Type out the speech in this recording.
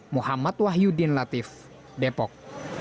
muhammad wahyudin latif depok